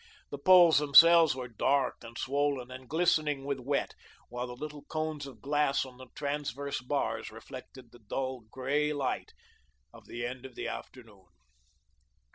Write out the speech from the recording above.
The poles themselves were dark and swollen and glistening with wet, while the little cones of glass on the transverse bars reflected the dull grey light of the end of the afternoon.